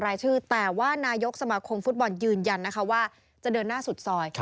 ยืนยันว่าจะเดินหน้าสุดซอย